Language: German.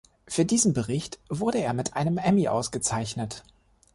Für diesen Bericht wurde er mit einem Emmy ausgezeichnet.